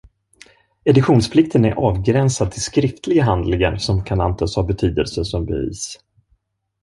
Editionsplikten är avgränsad till skriftliga handlingar som kan antas ha betydelse som bevis.